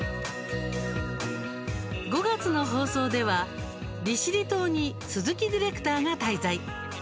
５月の放送では利尻島に鈴木ディレクターが滞在。